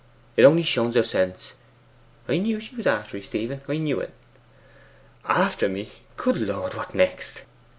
'It only shows her sense. I knew she was after 'ee, Stephen I knew it.' 'After me! Good Lord, what next!